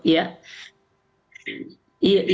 iya iya maksud saya harus dievaluasi